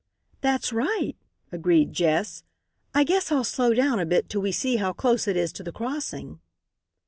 "That's right," agreed Jess. "I guess I'll slow down a bit till we see how close it is to the crossing."